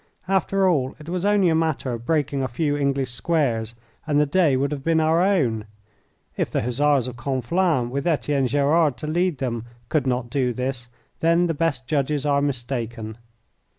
After all, it was only a matter of breaking a few English squares and the day would have been our own. If the Hussars of Conflans, with Etienne Gerard to lead them, could not do this, then the best judges are mistaken.